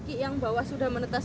biasanya ketika tukik yang menetas